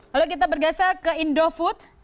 lalu kita bergeser ke indofood